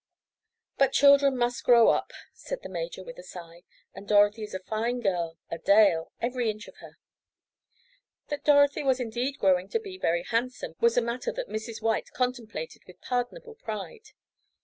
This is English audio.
"But children must grow up," said the major with a sigh, "and Dorothy is a fine girl—a Dale—every inch of her!" That Dorothy was indeed growing to be very handsome was a matter that Mrs. White contemplated with pardonable pride.